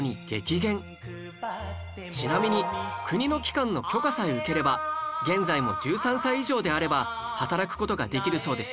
ちなみに国の機関の許可さえ受ければ現在も１３歳以上であれば働く事ができるそうですよ